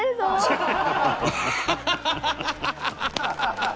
ハハハハ！